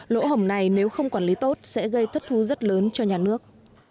lỗ hổng này nếu không quản lý tốt sẽ gây thất thu rất lớn cho nhà nước